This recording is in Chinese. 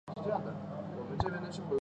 祖父王才甫。